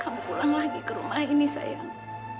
kamu pulang lagi ke rumah ini sayang